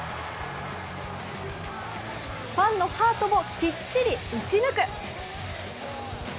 ファンのハートもきっちり打ち抜く。